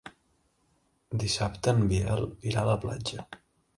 Dissabte en Biel irà a la platja.